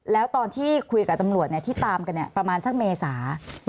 แล้วตอนที่คุยกับตำรวจที่ตามกันประมาณสักเมษา